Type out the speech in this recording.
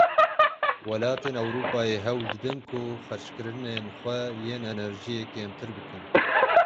Welatên Ewropayê hewl didin ku xerckirinên xwe yên enerjiyê kêmtir bikin.